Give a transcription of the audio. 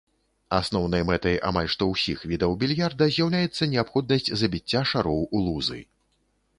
Асноўнай мэтай амаль што ўсіх відаў більярда з'яўляецца неабходнасць забіцця шароў у лузы.